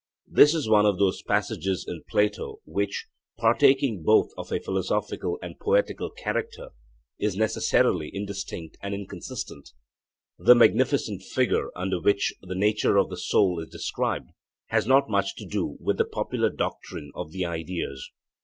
This is one of those passages in Plato which, partaking both of a philosophical and poetical character, is necessarily indistinct and inconsistent. The magnificent figure under which the nature of the soul is described has not much to do with the popular doctrine of the ideas.